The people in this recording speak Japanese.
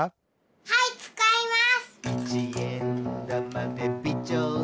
はいつかいます。